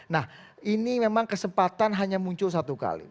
nah ini memang kesempatan hanya muncul satu kali